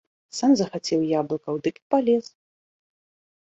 Сам захацеў яблыкаў, дык і палез!